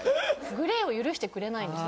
グレーを許してくれないんです